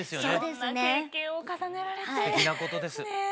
すてきなことです。